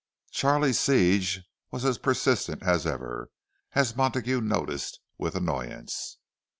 Charlie's siege was as persistent as ever, as Montague noticed with annoyance.